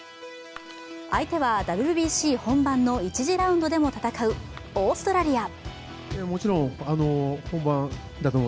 相手はＷＢＣ本番の１次ラウンドでも戦うオーストラリア。